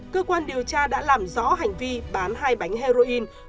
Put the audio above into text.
cơ quan điều tra đã làm rõ hành vi bán hai bánh heroin